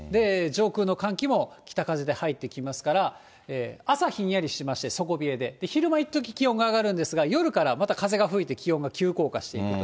寒気も北風で入ってきますから、朝、ひんやりしまして、底冷えで、昼間いっとき気温が上がるんですが、夜からまた風が吹いて気温が急降下していくと。